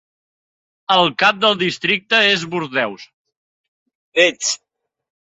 El cap del districte és Bordeus.